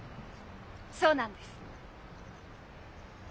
そうなんです！